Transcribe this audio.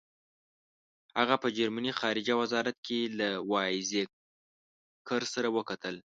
هغه په جرمني خارجه وزارت کې له وایزیکر سره وکتل.